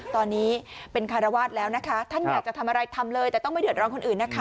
ตอนนี้เป็นคารวาสแล้วนะคะท่านอยากจะทำอะไรทำเลยแต่ต้องไม่เดือดร้อนคนอื่นนะคะ